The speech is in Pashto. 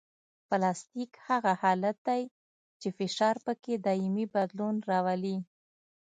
پلاستیک هغه حالت دی چې فشار پکې دایمي بدلون راولي